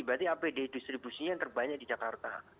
berarti apd distribusinya yang terbanyak di jakarta